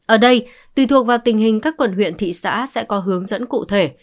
ở đây tùy thuộc vào tình hình các quần huyện thị xã sẽ có hướng dẫn cụ thể